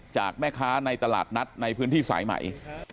จากแม่ค้าในตลาดนัดในพื้นที่สายใหม่